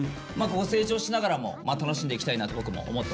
成長しながらも楽しんでいきたいなと僕も思っておりますね。